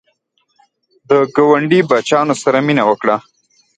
د ګاونډي بچیانو سره مینه وکړه